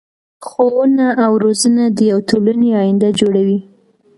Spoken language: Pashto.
ښوونه او روزنه د يو ټولنی اينده جوړوي .